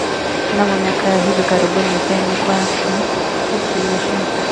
Mnamo miaka ya hivi karibuni idhaa imekua na inatangaza kupitia redio, televisheni na mitandao ya kijamii.